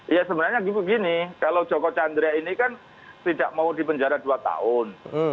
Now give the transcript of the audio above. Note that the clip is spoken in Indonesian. ya sebenarnya begini kalau joko candra ini kan tidak mau di penjara dua tahun